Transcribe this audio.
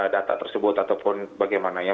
data tersebut ataupun bagaimana ya